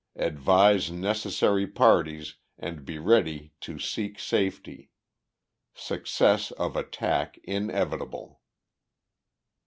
Advise necessary parties and be ready (to) seek safety. Success (of) attack inevitable.